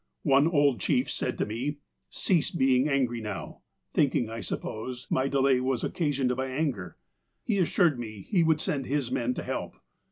One old chief said to me :' Cease being angry now,' thinking, I suppose, my delay was occasioned by anger. He assured me he would send his men to help.